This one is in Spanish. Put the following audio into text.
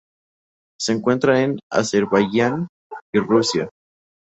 Se encuentra en Azerbaiyán y Rusia.